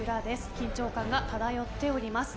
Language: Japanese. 緊張感が漂っております。